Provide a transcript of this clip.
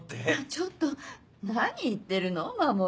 ちょっと何言ってるの守。